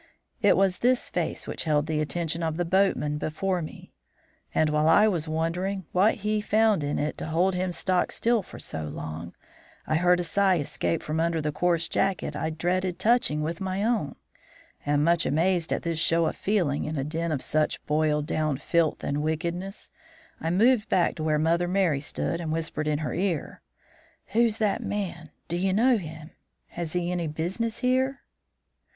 It was this face which held the attention of the boatman before me; and while I was wondering what he found in it to hold him stock still for so long, I heard a sigh escape from under the coarse jacket I dreaded touching with my own, and, much amazed at this show of feeling in a den of such boiled down filth and wickedness, I moved back to where Mother Merry stood, and whispered in her ear: "'Who's that man? Do you know him? Has he any business here?'